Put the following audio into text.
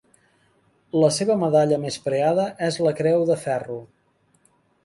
La seva medalla més preada és la Creu de Ferro.